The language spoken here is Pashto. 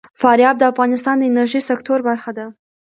فاریاب د افغانستان د انرژۍ سکتور برخه ده.